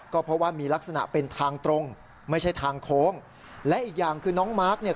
ก็เพราะว่ามีลักษณะเป็นทางตรงไม่ใช่ทางโค้งและอีกอย่างคือน้องมาร์คเนี่ย